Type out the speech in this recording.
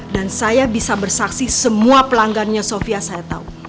dan saya bisa bersaksi semua pelanggannya sofia saya tahu